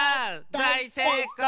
だいせいこう！